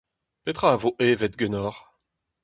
Petra a vo evet ganeoc'h ?